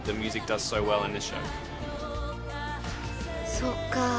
［そっか。